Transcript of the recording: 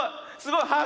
すごい！